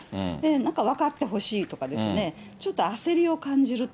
なんか分かってほしいとかですね、ちょっと焦りを感じると。